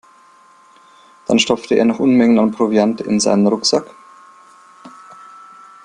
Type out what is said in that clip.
Dann stopfte er noch Unmengen an Proviant in seinen Rucksack.